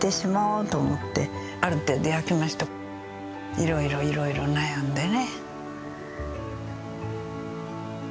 いろいろいろいろ悩んでね。